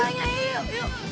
tolong ini reh